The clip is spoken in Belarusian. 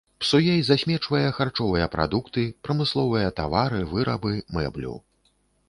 Псуе і засмечвае харчовыя прадукты, прамысловыя тавары, вырабы, мэблю.